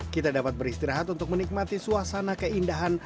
kita dapat beristirahat untuk menikmati suasana keindahan